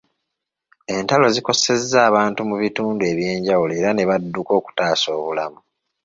Entalo zikosezza abantu mu bitundu eby'enjawulo era ne badduka okutaasa obulamu.